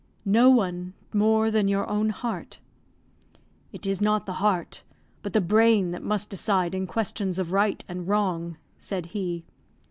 "No one more than your own heart." "It is not the heart, but the brain, that must decide in questions of right and wrong," said he.